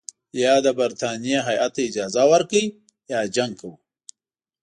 یا د برټانیې هیات ته اجازه ورکړئ یا جنګ کوو.